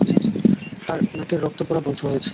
তার নাকের রক্ত পরা বন্ধ হয়েছে।